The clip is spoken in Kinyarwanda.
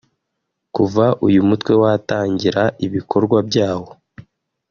Kuva uyu mutwe watangira ibikorwa byawo